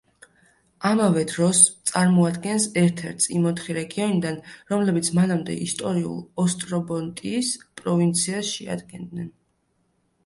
ამავე დროს წარმოადგენს ერთ-ერთს იმ ოთხი რეგიონიდან, რომლებიც მანამდე ისტორიულ ოსტრობოტნიის პროვინციას შეადგენდნენ.